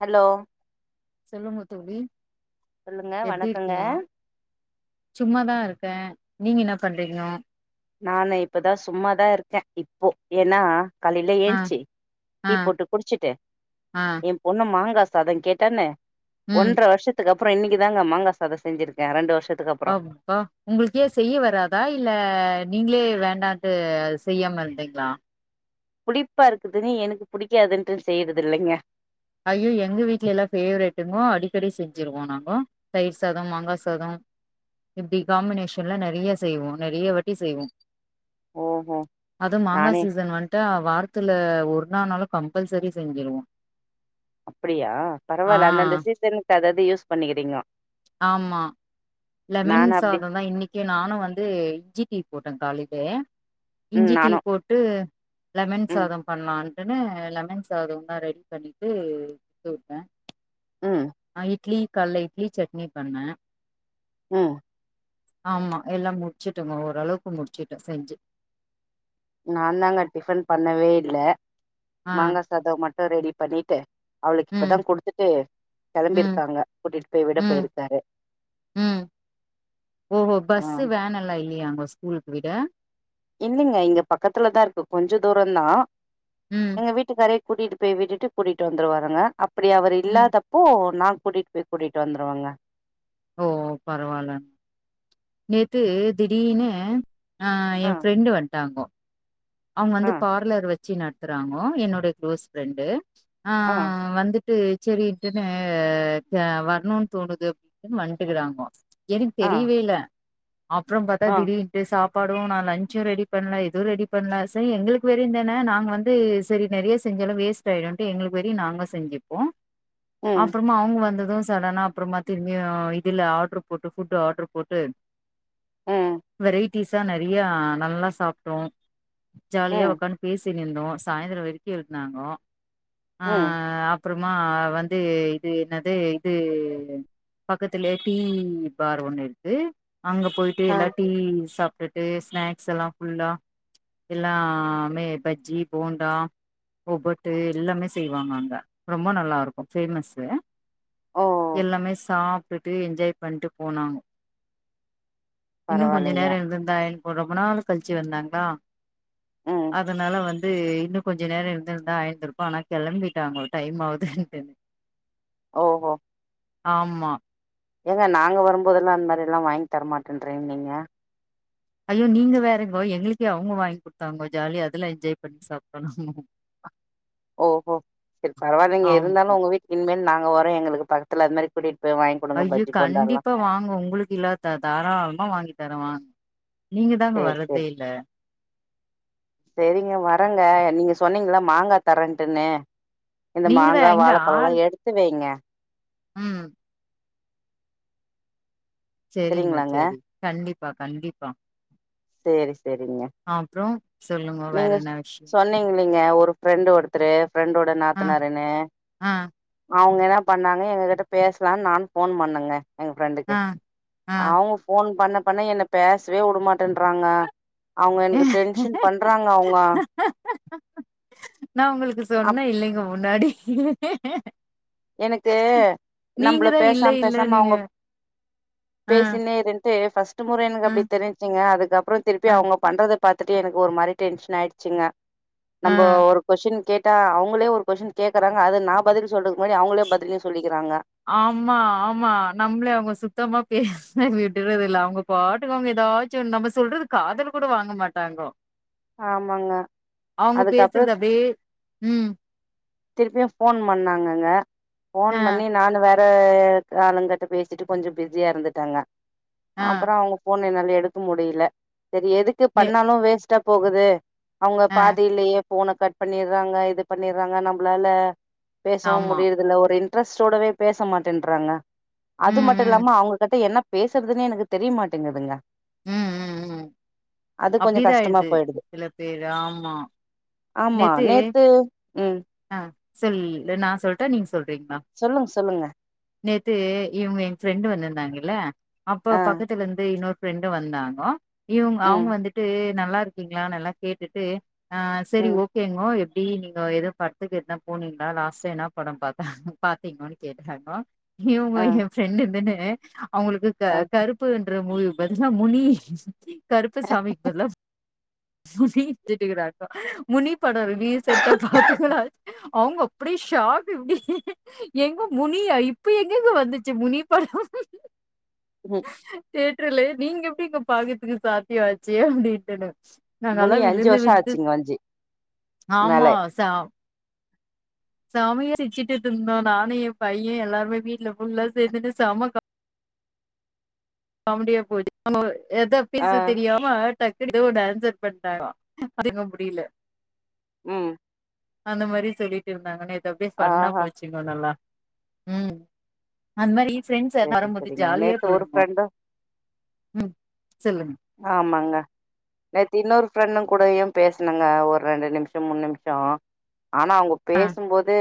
Hello சொல்லுங்க தோழி சொல்லுங்க எப்டி வணக்கங்க இருக்கீங்க சும்மாதான் இருக்கே நீங்க என்ன பண்றீங்கோ நானு இப்தான் சும்மாதான் இருக்கேன் இப்போ ஏன்னா காலையில ஆ ஏஞ்சு ஆ டீ போட்டு குடிச்சுட்டு ஆ என் பொண்ணு மாங்கா சாதம் கேட்டானே ம் ஒன்ற வருஷத்துக்கு அப் அப்புறம் இன்னைக்கு தாங்க மாங்கா சாதம் செஞ்சுருக்கே ரெண்டு வருஷம் அப்பா உங்களுக்கு ஏ செய்ய வராதா இல்ல நீங்களே வேண்டாண்டு செய்யாம இருந்தீங்களா புளிப்பா இருக்குதுன்னு எனக்கு புடிக்காதுன்டு செய்றது இல்லைங்க இப்புடி செஞ்சிருவோம் நாங்க தயிர் சாதம் மாங்கா சாதம் இப்புடி காம்பினேஷன்ல நெறைய செய்வோம் நெறைய வாட்டி செய்வோம் ஓஹோ அதுவும் மாங்கா நானே சீசன் வன்ட்டா வாத்தில ஒரு நாள்னாலு கம்பல்சரி செஞ்சிருவோ அப்படியா ஆ பரவால்ல அந்த அந்த சீசனுக்கு அதது ப்டி யூஸ் பண்ணிக்கிறீங்கோ ஆமா லெமன் அப்படி சாதம்தா இன்னைக்கு நானும் வந்து ஜி டீ போட்டே காலைலே ம் இஞ்சி டீ நானு போட்டு லெமன் ம் சாதம் பண்ணலான் உடனே லெமன் சாதோ ஒன்னா ரெடி பண்ணிட்டு குடுத்து விட்டேன் ம் ஆ இட்லி காலைல இட்லி சட்னி பண்ணே உம் ஆமா எல்லாம் முடிச்சுட்டோங்க ஓரளவுக்கு முடிச்சுட்டோ செஞ்சு நான்தாங்க டிஃபன் பண்ணவே இல்ல ஆ மாங்கா சாதோ மட் அ ரெடி பண்ணிட்டு அவளுக்கு ம் இப்பதா குடுத்துட்டு ம் கெளம்பிருக்காங்க கூட்டிட்டு போய் விடப் ம் போயிருக்காரு ம் ஓஹோ ஆ பஸ்ஸு வேன் எல்லா இல்லையாங்க ஸ்கூலுக்கு விட இல்லைங்க இங்க பக்கத்துலதா இருக்கு கொஞ்ச தூரந்தா ம் எங்க வீட்டுக்காரு கூட்டிட்டு போய் விட்டு கூட்டிட்டு வந்துருவாங்க அப் அப்படி அவர் ம் இல்லாதப்போ நான் கூட்டிட்டு போய் கூட்டிட்டு வந்துருவாங்க ஓ பரவால்ல நேத்து திடீர்னு ஆ என் ஃப்ரண்டு வன்ட்டாங்கோ அவங்க ஆ வந்து பார்லர் வச்சு நடத்துறாங்கோ என்னோட க்ளோஸ் ஃப்ரெண்டு ஆ வந்துட்டு செரின்ட்டுனு ஆ வரணும்னு தோணுது அப்டின்ட்டு வன்ட்டுக்கிறாங்கோ எனக்கு ஆ தெரியவே இல்ல அப்புறம் பாத்தா ஆ திடீர்ன்ட்டு சாப் ப்படும் நான் லஞ்ச்சும் ரெடி பண்ல எதுவும் ரெடி பண்லா செரி எங்களுக்கு வரையுந்தான நாங்க வந்து செரி நெறைய செஞ்சாலு வேஸ்ட் ஆயிடும்ட்டு எங்களுக்கு வரையும் நாங்க செஞ்சுப்போம் ம் அப்புறமா அவுங்க வந்து அதுவும் சடனா அப்புறமா திரும்பியு இதுல ஆர்டரு போட்டு ஃபுட் ஆர்டரு போட்டு ம் வெரைட் பீட்சா நெறையா நல்லா சாப்டோம் ஜாலியா ம் ஒக்காந்து பேசி தி இருந்தோம் சாயந்தரோ வெறுக்கி இருந்தாங்கோ ம் ஆஹ் அ அப்புறோமா வந்து இது என்னது இது பக்கத்துலயே டீ பார் ஒண்ணுயிருக்கு அங்க ஆ போயிட்டுயெல்லா டீ சாப் டுட்டு ஸ்நாக்ஸ் செல்லா புல்லா எல்லாமே பஜ்ஜி போண்டா ஒப்பட்டு எல்லாமே செய்வாங்க அங்க ரொம்ப நல்லாயிருக்கு ஃபேமஸ்ஸு ஓ எல்லாமே சாப் வந்துட்டு என்ஜாய் பண்ணிட்டு போனாங் இன்னு கொஞ்சோ பரவாயில்லைங்க நேரோயிருந்திருந்தா ஒரு ரொம்ப நாள் கழிச்சு வந்தாங்ளா ம் அதனால வந் [unintelligible] இன்னோ கொஞ்சோ நேரோயிருந்திருந்தா ஆயிந்திருக்கோ ஆனா கெளம்பிட்டாங்க டைம் ஆவுதுன்டுனு ஓஹோ ஆம்மா ஏங்க நாங்க வரும்போதெல்லா அந்த மாதிரியெல்லா வாங்கி தரமாட்டேன்றீங்க நீங்க ஐயோ நீங்க வேறங்கோ எங்களுக்கே அவங்க வாங்கி கொடுத்தாங்கோ ஜாலி அதுல என்ஜாய் பண்ணி சாப்டோ நாங்கோ ஓஹோ செரி பரவாயில்லீங்க ஆமா. இருந்தாலோ உங்க வீட்டு இனிமேல் நாங்க ஓரோ எங்களுக்கு படத்துல அது மாரி குடி ஐயோ கண்டிப்பா வாங்க உங்களுக்குயில்லாதா தாராளமா வாங்கிட் தரவாங் சேரி சேரி செரிங்க வரங்க நீங்க சொன் சொன்னீங்கல்ல மாங்கா தரேன்டுன்னு இந்த நீங்க தான் மாங்கா வாழப்பழோல்லா எடுத்து வைங்க உஹம் செரிங்க சரிங்களாங்க? செரி கண்டிப் ப்பா கண்டிப்பா சேரி செரிங்க அப்புறம் சொல்லுங்க வேற நீங்க என்ன விஷயம்? சொன்னீங் இப்டிங்க ஒரு ஃப்ரெண்டு் ஒருத்தரு ஃப்ரெண்டோட அ, நாத்தனாருன்னு அ, அவங்கயென்னா பண்ணாங்க எங்ககிட்ட பேசலானு நானு ஃபோன் பண்ணேங்க எங்க அ, ஃப்ரெண்டுக்கு அ. அவங்க போன் பண்ண பண்ணா என்ன பேசவே உடமாட் டின்றாங்க அவங்க எனக்கு டென்ஷென் பண்றாங்க அவங்க நான் உங்களுக்கு அப் சொன்னேன் இல்லைங்க [unintelligible] எனக்கு நீங்க நம்மள தான் இல்ல பேசாம இல்ல பேசாம நீங்க. அவங்க அ, பேசினே இருன்ட்டு [unintelligible] முறை எனக்கு அ, அப்டி தெரிஞ்ச்சுங்க அதுக்கப்புறம் திருப்பி அ, அவங்க பண்றத பாத்துட்டு எனக்கு ஒரு மாரி டென்ஷன் ஆயிடுச்சுங்க நம்ம அ. ஒரு கொஷின் கேட் ட்ட அவங்களே ஒரு கொஸின் கேக்குறாங்க அது நான் பதில் சொல்றது ஆமா ஆமா நம்மளே அவங்க சுத்தமா பேசு விடுறது இல்ல அவங்க பாட்டுக்கு அவங்க ஏதாச்சும் நம்ம சொல்றது காதுல கூட வாங்க மாட்டாங்கோ ஆமாங்க அவங்க அதுக்கப்புறோ பேசுறதவே உம் திருப்பியு ஃபோன் பண்ணாங்கங்க அ, ஃபோன் பண்ணி நானு வேற ஹ ஆனந்த்கிட்ட பேசிட்டு கொஞ்சம் பிஸியா இருந்துட்டாங்க அ, அப்புறம் அவங்க போன் என்னா அப்டி எடுக்க முடில சரி எதுக்கு நெ பண்ணாலு வேஸ்ட் க்க போகுது அவங்க அ, பாதிலையே போன கட் பண்ணிறாங்க இது பண்ணிறாங்க நம்பளால பேசவும் ஆமா. முடியருதில்ல ஒரு இன் ட்ரஸ்ட்டோடவே பேச மாட்டேன்ற்றாங்க ம், அது மட்டு ம், இல்லாம அவங்ககிட்ட என்ன பேசுறதுன்னே எனக்கு தெரியமாட்டேங்குதுங்க உம் உம் உம் கொஞ்சோ அப்டிதா கஷ்டமா இது போயிடுது சில பேர் ஆமா ஆமா நேத்து உம் சொல் இல்ல நான் சொல்ட்டா நீங்க சொல் அப்டிங்ளா சொல்லுங்க சொல்லுங்க நேத்து இவங்க எங்க ஃப்ரெண்டு் வந்திருந்தாங்க ல்ல அப்ப ஆ பக்கத்துலருந்து இன்னொரு ஃப்ரெண்டு வந்தாங்கோ இவங்க அவங்க ம் வந்துட்டு நல்லா இருக்கீங்களானல்லா கேட்டுட்டு ஆஹ் செரி ம் ஓகேங்கோ எப்டி நீங்க எது [unintelligible] படத்துக்கு எதுனா போனீங்களா லாஸ்ட்டா என்னா படம் பாத்தா பாத்தீங்கன்னு கேட்டாங்கோ இவுங்க ஆ என் ஃப்ரெண்ட் இல்லேனு ஆ அவங்களுக்கு க ஆ கருப்பு ங்கற மூவிக்கு பதிலா முனி கருப்பு சாமிக்கு பதிலா முனி [unintelligible] முனி படோ ரீசண்ட்டா பாத்தங்களா அவங்க அப்டியே ஷாக் இப்டி எங்க முனியா இப்ப எங்கெங்க வந்துச்சு முனி படோ ம் டெட் [unintelligible] நீங்க எப்டி இங்க பாக்கறதுக்கு சாத்யோ ஆச்சு அப்டின்ட்டுனு நாங்கெல்லா முனி அஞ்சு விழுந்து வருஷோ விழுந்து ஆச்சுங்க வஞ்சி மேல ஆமா சா செமயா சிரிச்சுட்டு இருந்தோ நானு என் பைய எல்லாருமே வீட்ல ஃபுல்லா சேந்துனு செம கா காமெடியா [unintelligible] எத ஆ பேச தெரியாம டக்குனு எதோ [unintelligible] பண்ட்டாங்கோ [unintelligible] முடியல உம் அந்த மாரி சொல்லிட்டு இருந்தாங்க நேத் அப்டியே ஃபன்னா ஆஹா போச்சுங்கோ நல்லா உம் அந்த மாரி ஃப்ரெண்ட்ஸ்ல்லா சரி வரும்போது சரிங்க ஜாலியா நேத்து ஒரு போயிருந்தோ ஃப்ரெண்டு ம் சொல்லுங்க ஆமாங்க நேத்து இன்னொரு ஃப்ரெண்டு கூடயு பேசுனங்க ஒரு ரெண்டு நிமிஷோ மூணு நிமிஷோ ஆனா அவுங்க ஆ பேசும்போது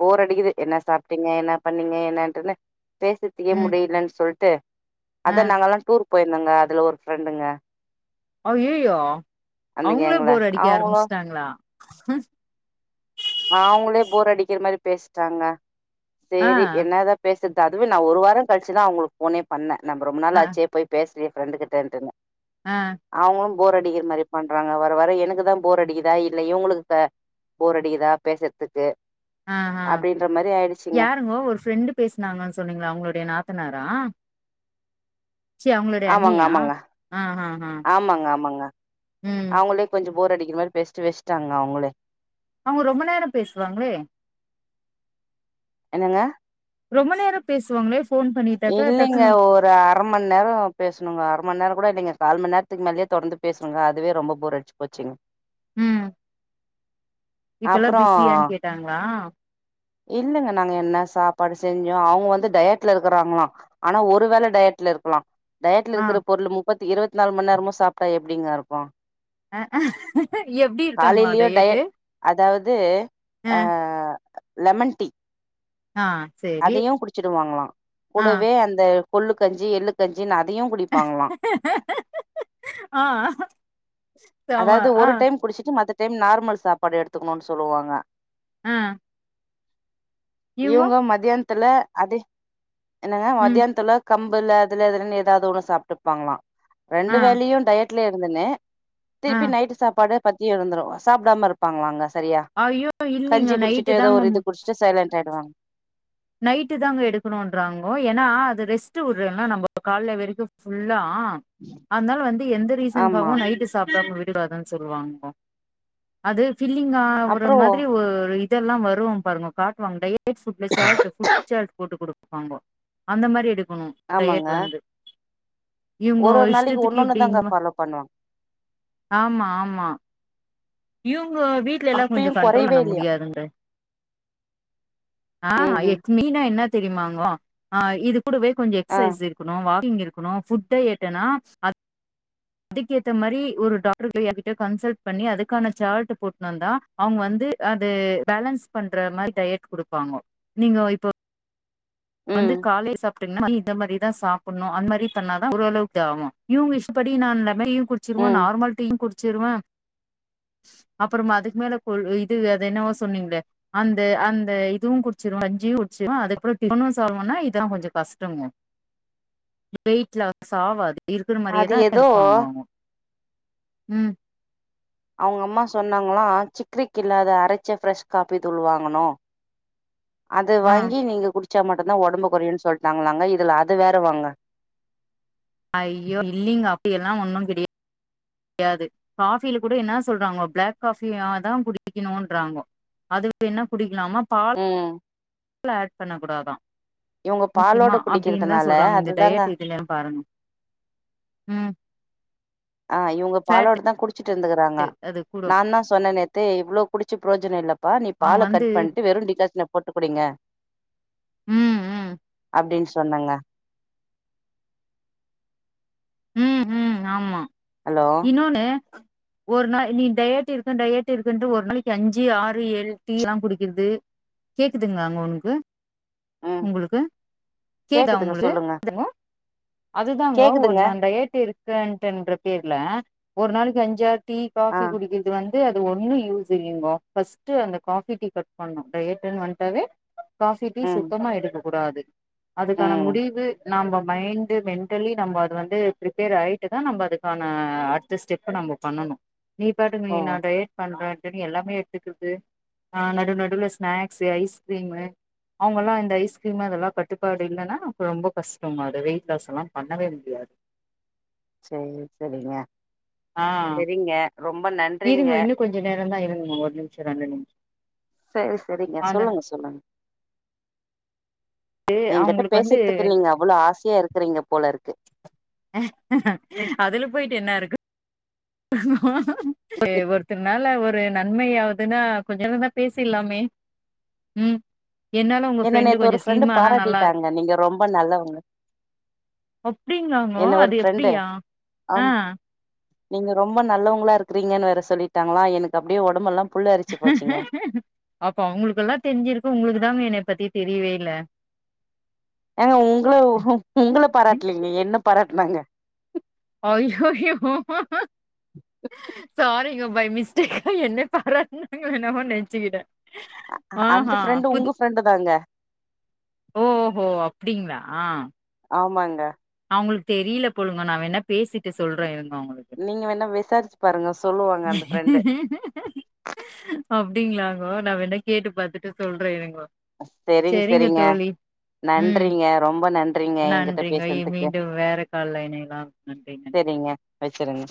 போர் அடிக்குது என்ன சாப்டீங்க என்ன பண்ணீங்க என்னட்டுன்னு பேசறத்துக்கே ம் முடியலன்னு சொல்ட் தே ஆ அதா நாங்க எல்லா டூர் போயிருந்தங்க அதுல ஒரு ஃப்ரெண்டுங்க ஐயயோ அந்த அவுங்களே கேங்ல போர் அடிக்க அவங்களு ஆரம்பிச்சுட்டாங்களா ம் அவுங்களே போர் அடிக்கிற மாரி பேசிட்டாங்க ஆ சேரி என்னதா பேச [unintelligible] அதுவே நான் ஒரு வாரோ கழிச்சுதா அவுங்களுக்கு போனே பண்ணே நம்ப ரொம்ப ஆ நாளாச்சே போய் பேசுறியே ரெண்டு கிட்டே ஆ அவ போர் அடிக்கிற மாரி பண்றாங்க வர வர எனக்கு தான் போர் அடிக்குதா இல்ல இவங்களுக்கு போர் அடிக்குதா பேசுறதுக்கு ஆஹ் ஹ் யாருங்கோ ஒரு ஃப்ரெண்டு பேசினாங்கன்னு சொன்னீங்களா அவங்களுடைய நாத் ன்னாரா ஆமாங்க ஆமாங்க ஆ ஆ ஆ ஆமாங்க ஆமாங்க ம் அவங்களே கொஞ்ச போர் அடிக்கிற மாரி பேசிட்டு வச்சுட்டாங்க அவங்களே அவங்க ரொம்ப நேரம் பேசுவாங்களே என்னங்க ரொம்ப நேரம் பேசுவாங்களே ஃபோன் பண்ணிட்டாக்க இல்லலைங்க டக்குன்னு ஒரு அரமன்னேரம் பேசணுங்க அரமன்னேரம் கூடாதுங்க கால் மண் நேரத்துக்கு மேலயே தொடர்ந்து பேசுருங்க அதுவே ரொம்ப போர் அடிச்சி போச்சீங்க உம் அப்புரோ கேட்டாங்களா இல்லங்க நாங்க என்ன சாப் படு செஞ்சு அவங்க வந்து டயட்ல இருக்கறாங்களா ஆனா ஒருவேளை டயட்ல இருக்கலாம் டயட்ல ஆ இருக்குற பொருள் மு முப்பத்தி இருபதி நாலு மணி நேரமு சாப்ட்டா எப்டிங்க இருக்கு எப்டி இருக்காங்களா காலையிலயோ ட டயட்டு அதாவது ஆ அஹ் லெமன் டி ஆ சேரி அதையும் குடிச்சிடுவாங்லா ஆ கூடவே அந்த கொல்லு கஞ்சி எள்ளு கஞ்சி ந ஆஹ் அதாவது ஒரு டைம் குடிச்சிட்டு மது டைம் நார்மல் சாப்பாடு எடுத்துக்கணும்ன்னு சொல்லுவாங்க ம் இவங்க மதியந் த்துல அதே என்னங்க ம். மத்தியானத்துலா கம்புல அதுல இதுலன்ன ஏதாவது ஒண்ணு சாப்ட்டுப்பாங்களாம் ஆ, ரண்டு வேலையு டயட் வல இருந்தனே ஆ. திருப்பி நைட்டு் சாப்பாடு பத்தி எழுந்துரும் சாப்டாம இருப்பாங்களாங்க சரியா ஐயோ! இல்லைங்க. கஞ்சி நைட்டு குடிச்சிட்டு ஏதோ தாங்க ஒரு இது மு குடிச்சிட்டு சைலண்ட் ஆயிடுவாங்க நைட்டு தான்ங்க எடுக்கணும்றாங்க ஏன்னா அது ரெஸ்ட்டு விடுறோம்லா நம்ம கால வரைக்கும் ஃபுல் [unintelligible] அதனால வந்து எந்த ஆமா ரீசனுக்காகவு நைட்டு சாப்டாம விட் டாதுனு சொல்லுவாங்கோ அது பீலிங் அவுர அப்றோ மாதிரி ஒரு இதல்லா வருவோ பாருங்கோ காட்டுவாங்க டயத் எட் சுப்லசார்ட் புட் சார்ஜ் போட்டு கொடுப்பாங்க அந்த மாரி எடு ணும் டயட் ஆமாங்க வந்து இவங்கோ ஒரு ஒரு நாளைக்கு இஷ்டத்துக்கு ஒன்னொன்னு தாங்க இப்டினா ஃபாலோ பண்ணுவாங்க ஆமா ஆமா யூ உங்க வீட்லல்லாம் அப்பயு கொஞ்சம் கண்ரோல் கொறையவே பண்ண இல்லையா முடியாதுங்லே ஆஹ் ம் ம் எத் மீனா என்னத் தெரியுமாங்க ஆஹ் இது கூடவே கொஞ்சம் ஆ எக்சசைஸ் இருக்கணும் வாக் [unintelligible] இருக்கணும் புட் டயட்டுனா அத் அதுக்கேத்த மாரி ஒரு டாக்டர் ஐயாட்ட கன்சல்ட் பண்ணி அதுக்கான சாட் போட்ன்னு வந்தா அவங்க வந்து அது பேலன்ஸ் பண்ற மாரி டயட் குடுப்பாங்கோ நீங்க இப்போ வந்து ம் காலே சாப் [unintelligible] இந்த மாதிரி தான் சாப்டணும் அந்தமாரி பண்ணதா ஓரளவுக்கு ஆவும் இவங்க இஷ்டப்படி நான் யும் குடிசுருவோ ம் நார்மல் டீயும் குடிச் இச் வா அப்பறம் அதுக்கு மேல இது அ என்னவோ சொன்னீங்கள அந்த அந்த இதுவும் குடிசுருவோம் கஞ்சியும் குடிசுருவன் அதுகப [unintelligible] [unintelligible] இதா கொஞ்சம் கஷ்டங்க வெயிட் லாஸ் ஆவாது இருக்குற அது மாதிரியேதான் ஏதோ இருப்பாங்க அவங்க உம் அவங்க அம்மா சொன்னாங்களா சிக்ரிக் இல்லாத அரச்ச ஃப்ரெஷ் காபி தூள் வாங்கணு அது ஆ வாங்கி நீங்க குடுச் குடுச்சா மட்டும்தான் ஓடம்புகொரயும்னு சொல்லிட்டாங்களாங்க இதுல அது வேற வாங்க ஐயோ இல்லிங்க அப்டியலாம் ஒண்ணும் கிடையா கிடையாது காஃபியில கூட என்னா சொல்றாங்கோ பிளாக் காஃபியாதா குடிக்கணுங்குறாங்கோ அது என்ன குடிக்கலாமா பால் ம் லல் பண்ணக்கூடாதான் இவங்க பாலோட முக்கியமா அப்டின்தா குடிக்கிறதுனால சொல்றாங்க இந்த அதுதாங்க டயட் இதுல பாருங்கோ உம் ஆஹ் இவங்க பாலாட தான் குடிச் குடிச்சிட்டு வந்துக்கறாங்க அது கூடு நான் என்னா சொன்னே நேத்து இவ்ளோ குடிச்சு பிரயோஜன இல்ல பா நீ அவங்க பால வந்து கட் பண்ட்டு வெறு டிக்காஷன போட்டு குடிங்க உம் உம் அப்டின்னு சொன்னங்க ம் உம் ஆமா ஹலோ இன்னொன்னு ஒரு நாள் நீ டயட் இருக்க டயட் இருக்கன்ட்டு ஒரு நாளைக்கு அஞ்சு ஆறு எழு டீ ளா குடிக்குது கேக்குதுங்லா உங்ளுக்கு ம் உங்களுக்கு கேக்குதா கேக்குதுங்க உங்களுக்கு சொல்லுங்க ஹலோ அதுதாங்க ஒரு கேக்குதுங்க நாள் டேட் இருக்கன்றன்ற பேர்ல ஒரு நாளைக்கு அஞ்சு ஆறு டீ ஆ காஃபி குடிக்கறது வந்து அது அது ஒண்ணும் யூஸ் இல்லைங்கோ ஃபர்ஸ்ட் அந்த காஃபி டீ கட் பண்ணணு டயட்னு வன்ட்டாவே காஃபி டீ ம் சுத்தமா [unintelligible] கூடாது அதுக்கான ம் முடிவு நம்ம மைண்டு மென்டலி நம்ம அது வந்து பிரிப்பேர் ஆயிட்டுதா நம்ப அதுக்கான அடுத்த ஸ்டெப்ப நம்ம பண்ணணு நீ பாட்டுக்கு நீ ஓ நா டயட் பண்ணுறேன்ட்டு எல்லாமே எடுத்துக்றது ஆ நடு நடுவுல ஸ்நாக்ஸு ஐஸ்கிரீமு அவங்கல்லா இந்த ஐஸ்கிரீமு அதெல்லா கட்டுப்பாடு இல்லைனா அப்றோ ரொம்ப கஷ்டம் அது வெயிட் லாஸ் எல்லாம் பண்ணவே முடியாது சரி சரிங்க ஆ செரிங்க ரொம்ப நன்றிங்க இருங்க இன்னு கொஞ்ச நேரம்தா இருங்கோ ஒரு நிமிஷம் ரெண்டு நிமிஷம் சரி சரிங்க சொல்லுங்க சொல்லுங்க எங்கிட்ட அவங்களுக்கு வந்து பேசுறதுக்கு நீங்க அவ்ளோ ஆசையா இருக்குறீங்க போல இருக்கு அதுல போயிட்டு என்ன இருக்கு ஆ வே ஒருத்த நால ஒருத் ஒரு நன்மையாவதுன்னா கொஞ்ச நேரம் தான் பேசிற்லாமே உம் என்னால உங்க என்ன ஃப்ரெண்டு நேத்து ஒரு கொஞ்ச ஸ்லிம்மானா நல்லா இருக் பாராட்டிட்டாங்க நீங்க ரொம்ப நல்லவங்க அப்டிங்காளாங்கோ என்ன ஒரு அது ஃப்ரெண்டு எப்டியா ஆ ஆம் நீங்க ரொம்ப நல்லவங்களா இருக்கறீங்கன்னு வேற சொல்லிட்டாங்களா எனக்கு அப்டியே ஒடம்பல்லா அப்ப அவங்களுக்கெல்லாம் தெரிஞ்சிருக்கு உங்களுக்கு தா [unintelligible] பத்தி தெரியவேல ஏங்க உங்கள உங்களை பாராட்லீங்க என்ன பாராட்னாங்க ஐயோயோ சாரிங்க பைய் மிஸ்டேக்கா என்ன பாரட்னாங்ளோ என்னமோ நெச்சுக்கிட்டேன் அந்த ஃப்ரெண்டு உங்க ஃப்ரெண்டு தாங்க அப்படிங்ளா ஆமாங்க அவங்களுக்கு தெரில போலங்க நான் வேனா பேசிட்டு சொல்றேன் நீங்க வேண்ணா விசாரிச்சு பாருங்க சொல்லுவாங்க அந்த ஃப்ரெண்டு அப்டிங்களாங்கோ நான் வேண்ணா கேட்டு பாத்துட்டு சொல்றேன் இருங்கோ செரிங்க சரிங்க செரிங்க தோழி. ம் நன்றிங்க ரொம்ப நன்றிங்க எங்கிட்ட பே [unintelligible] மீண்டும் வேற கால்ல இணையலாம் நன்றிங்க. சரிங்க வச்சிருங்க